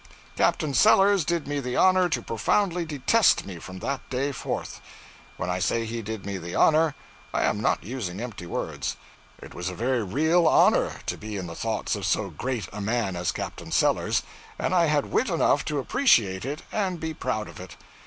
Captain Sellers did me the honor to profoundly detest me from that day forth. When I say he did me the honor, I am not using empty words. It was a very real honor to be in the thoughts of so great a man as Captain Sellers, and I had wit enough to appreciate it and be proud of it.